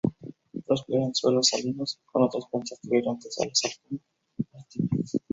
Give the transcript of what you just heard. Prospera en suelos salinos, con otras plantas tolerantes a la sal como "Atriplex".